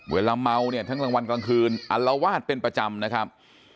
เวลาเมาเนี่ยทั้งกลางวันกลางคืนอัลวาดเป็นประจำนะครับ